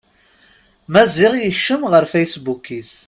Maziɣ yekcem ɣer fasebbuk-is.